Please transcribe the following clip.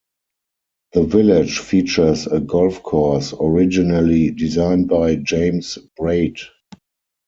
The village features a golf course, originally designed by James Braid.